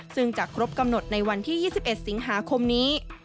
ซึ่งจะครบกำหนดในวันที่๒๑สิงหาคมนี้